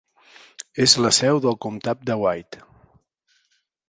És la seu del comtat de White.